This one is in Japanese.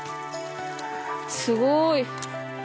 すごい。